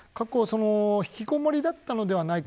ひきこもりだったのではないか。